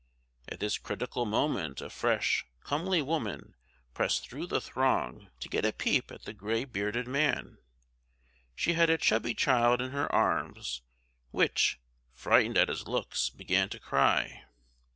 At this critical moment a fresh, comely woman pressed through the throng to get a peep at the gray bearded man. She had a chubby child in her arms, which, frightened at his looks, began to cry.